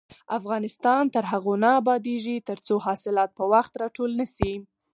افغانستان تر هغو نه ابادیږي، ترڅو حاصلات په وخت راټول نشي.